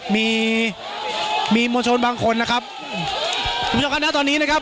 มีมีมวลชนบางคนนะครับคุณผู้ชมครับนะตอนนี้นะครับ